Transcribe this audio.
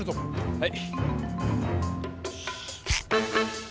はい。